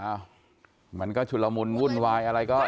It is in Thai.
อ่าวมันก็ชุดละมุนวาอว้ายอะไรก็อาจเป็นว่า